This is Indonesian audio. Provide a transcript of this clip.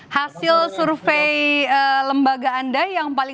hasil survei lembaga anda yang paling